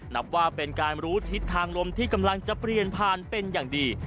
นับว่าเป็นการรู้ทิศทางลมที่กำลังจะเปลี่ยนผ่านเป็นอย่างดี